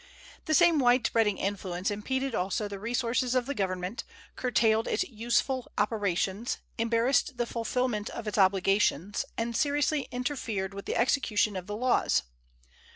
The same wide spreading influence impeded also the resources of the Government, curtailed its useful operations, embarrassed the fulfillment of its obligations, and seriously interfered with the execution of the laws.